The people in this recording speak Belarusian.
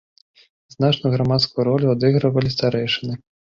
Значную грамадскую ролю адыгрывалі старэйшыны.